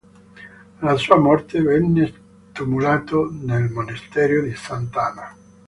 Alla sua morte, venne tumulato nel monastero di sant'Anna.